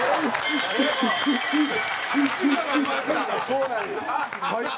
そうなんや。